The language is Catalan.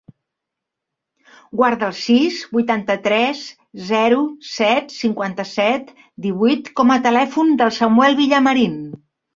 Guarda el sis, vuitanta-tres, zero, set, cinquanta-set, divuit com a telèfon del Samuel Villamarin.